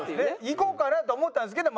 いこうかなとは思ったんですけど